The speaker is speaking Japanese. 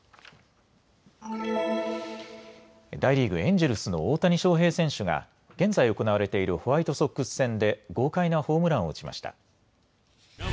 大リーグ、エンジェルスの大谷翔平選手が現在行われているホワイトソックス戦で豪快なホームランを打ちました。